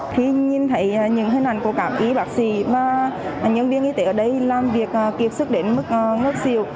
khi nhìn thấy những hình ảnh của các y bác sĩ mà nhân viên y tế ở đây làm việc kịp sức đến mức ngất xỉu